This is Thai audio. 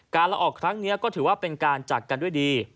ละออกครั้งนี้ก็ถือว่าเป็นการจัดกันด้วยดี